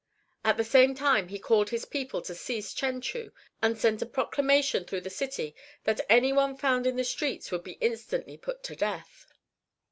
At the same time he called his people to seize Chenchu, and sent a proclamation through the city that any one found in the streets would be instantly put to death.